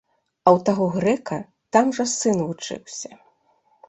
А ў таго грэка там жа сын вучыўся.